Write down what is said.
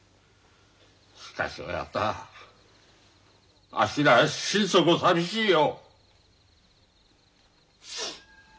しかし親方あっしら心底寂しいよ。